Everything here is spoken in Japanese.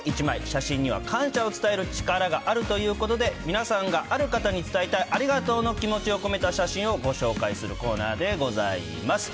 写真には感謝を伝える力があるということで、皆さんがある方に伝えたいありがとうの気持ちを込めた写真をご紹介するコーナーでございます。